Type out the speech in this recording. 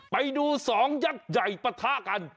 ไปดูสองยักษ์ใหญ่ปะทะกัน